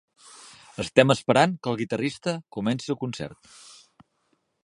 Estem esperant que el guitarrista comenci el concert.